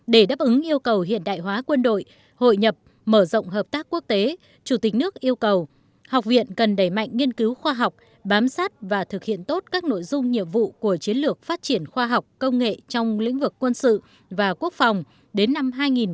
để đáp ứng yêu cầu hiện đại hóa quân đội hội nhập mở rộng hợp tác quốc tế chủ tịch nước yêu cầu học viện cần đẩy mạnh nghiên cứu khoa học bám sát và thực hiện tốt các nội dung nhiệm vụ của chiến lược phát triển khoa học công nghệ trong lĩnh vực quân sự và quốc phòng đến năm hai nghìn ba mươi